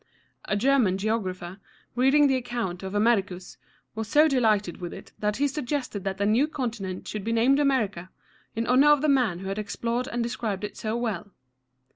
A German geographer, reading the account of Americus, was so delighted with it that he suggested that the new continent should be named America, in honor of the man who had explored and described it so well.